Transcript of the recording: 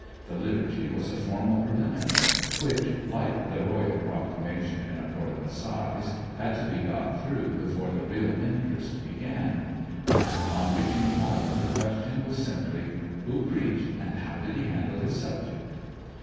The liturgy was a formal preliminary, which, like the Royal proclamation in a court of assize, had to be got through before the real interest began; and on reaching home the question was simply: Who preached, and how did he handle his subject?